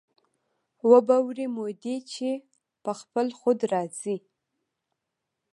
وابه وړي مودې چې په خپل خود را ځي